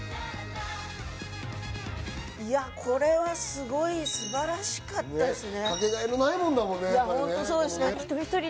いや、これはすごい素晴らしかったですね。